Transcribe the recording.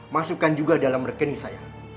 masukkan juga dalam rekening saya